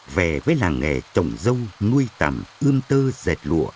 về với làng nghề trồng dâu nuôi tầm ươm tơ dệt lụa